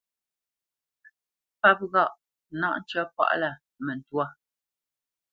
Páp ghâʼ: náʼ ncə́ pâʼlâ mə ntwâ.